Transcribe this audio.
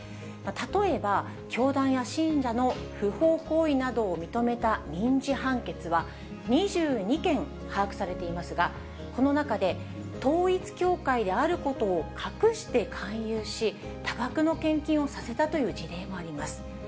例えば、教団や信者の不法行為などを認めた民事判決は２２件把握されていますが、この中で統一教会であることを隠して勧誘し、多額の献金をさせたという事例もあります。